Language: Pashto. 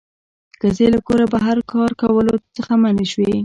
ښځې له کوره بهر کار کولو څخه منع شوې